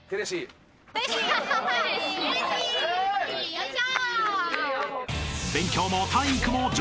よいしょ！